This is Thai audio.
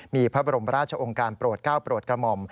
มีพระบรมราชองค์การโปรดก้าวโปรดกระหม่อม